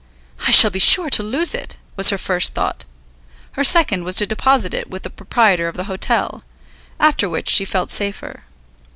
"I shall be sure to lose it," was her first thought. Her second was to deposit it with the proprietor of the hotel; after which she felt safer.